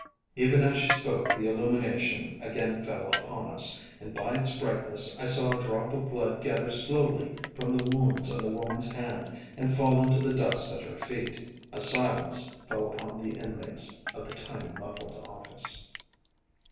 "Even as she spoke the illumination again fell upon us, and by its brightness I saw a drop of blood gather slowly from the wounds on the woman's hand and fall into the dust at her feet." A silence fell upon the inmates of the tiny muffled office.